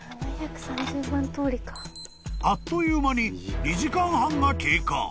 ［あっという間に２時間半が経過］